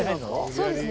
そうですね。